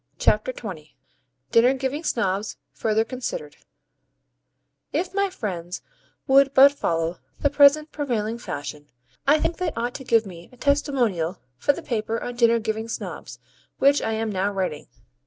CHAPTER XX DINNER GIVING SNOBS FURTHER CONSIDERED If my friends would but follow the present prevailing fashion, I think they ought to give me a testimonial for the paper on Dinner giving Snobs, which I am now writing.